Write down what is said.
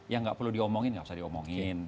ya gak perlu diomongin gak usah diomongin